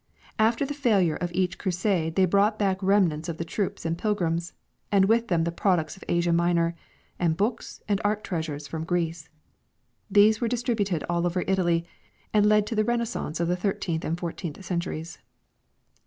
After the failure of each Crusade they brought back remnants of the troops and pilgrims, and with them the products of Asia JMinor, and Ijooks and art treasures from Greece. These were distributed all over Italy, and led to the renaissance of the thirteenth and fourteenth centuries.